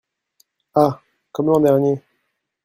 Ah ! comme l’an dernier…